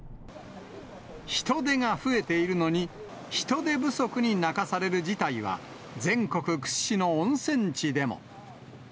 人出が増えているのに、人手不足に泣かされる事態は全国屈指の温泉地でも。